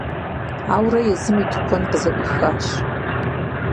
Ауэрэ езым и тыкуэн къызэӀуихащ.